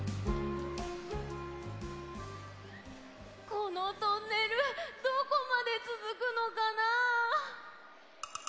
このトンネルどこまでつづくのかな？